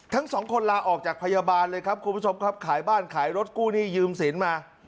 ทั้งสองคนลาออกจากพยาบาลเลยครับคุณผู้ชมครับขายบ้านขายรถกู้หนี้ยืมสินมา